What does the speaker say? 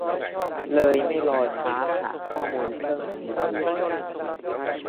เลยไม่รอช้าหาข้อมูลเพิ่มทันที